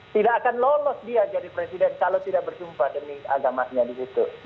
tidak akan lolos dia jadi presiden kalau tidak bersumpah demi agamanya di situ